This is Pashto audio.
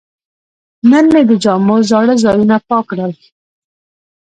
نن مې د جامو زاړه ځایونه پاک کړل.